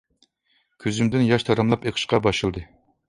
كۆزۈمدىن ياش تاراملاپ ئېقىشقا باشلىدى.